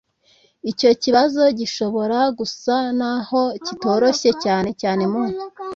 Icyo kibazo gishobora gusa n aho kitoroshye cyane cyane mu